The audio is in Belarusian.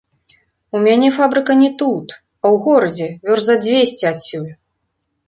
У мяне фабрыка не тут, а ў горадзе, вёрст за дзвесце адсюль.